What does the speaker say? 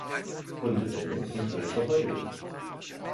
Hunde bellen und Wölfe heulen.